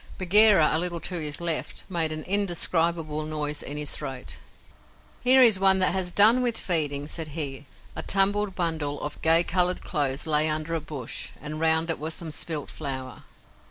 Bagheera, a little to his left, made an indescribable noise in his throat. "Here is one that has done with feeding," said he. A tumbled bundle of gay coloured clothes lay under a bush, and round it was some spilt flour.